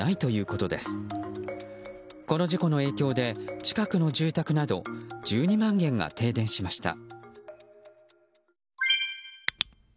この事故の影響で近くの住宅など１２万軒が停電しました。